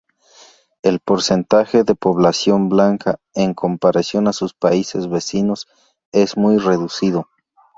El porcentaje de población blanca, en comparación a sus países vecinos, es muy reducido.